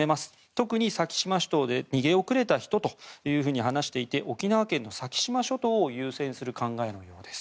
特に先島諸島で逃げ遅れた人と話していて沖縄県の先島諸島を優先する考えのようです。